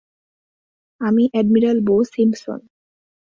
আমি admiral Bo Simpson.